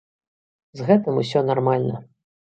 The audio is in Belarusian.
З гэтым усё нармальна.